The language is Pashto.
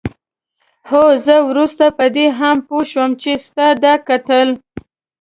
هو زه وروسته په دې هم پوه شوم چې ستا دا کتل.